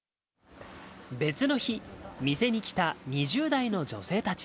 別の日、店に来た２０代の女